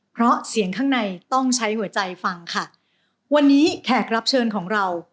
เพราะเสียงข้างในต้องใช้หัวใจฟังค่ะวันนี้แขกรับเชิญของเรา